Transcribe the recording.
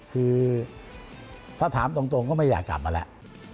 คือถ้าถามตรงก็ไม่อยากกลับมาแล้ว